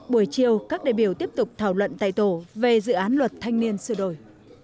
buổi chiều các đại biểu tiếp tục thảo luận tại tổ về dự án luật thanh niên sửa đổi